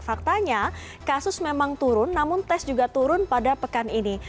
faktanya kasus memang turun namun tes juga turun pada pekan ini